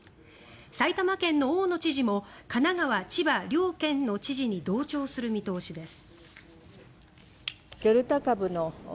埼玉県の大野知事も神奈川、千葉両県の知事に同調する見通しです。